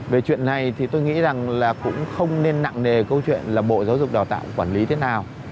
về chuyện này thì tôi nghĩ rằng là cũng không nên nặng nề câu chuyện là bộ giáo dục đào tạo quản lý thế nào